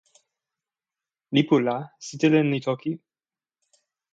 lipu la sitelen li toki.